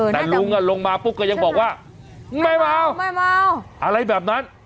แต่ลุงลงมาปุ๊บก็ยังบอกว่ามึงไม่เมาไม่เมาอะไรแบบนั้น